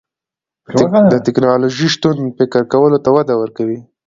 د تکنالوژۍ شتون فکر کولو ته وده ورکوي.